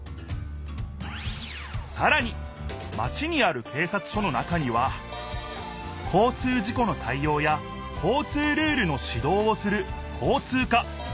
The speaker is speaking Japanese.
さらにマチにある警察署の中には交通事故の対応や交通ルールのしどうをする交通課。